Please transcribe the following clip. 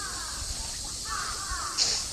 মনে হয়, এতদিন ছায়া ছিলুম, এখন সত্য হয়েছি।